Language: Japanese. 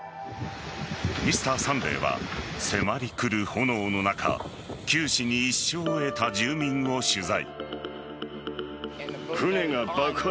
「Ｍｒ．サンデー」は迫りくる炎の中九死に一生を得た住民を取材。